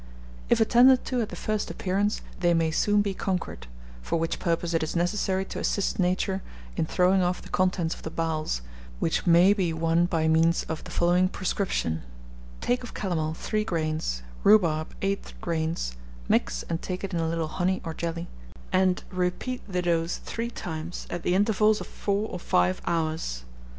If attended to at the first appearance, they may soon be conquered; for which purpose it is necessary to assist nature in throwing off the contents of the bowels, which may be one by means of the following prescription: Take of calomel 3 grains, rhubarb 8 grains; mix and take it in a little honey or jelly, and repeat the dose three times, at the intervals of four or five hours.